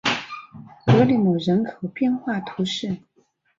格里莫人口变化图示